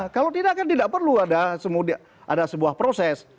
kalau tidak kan tidak perlu ada sebuah proses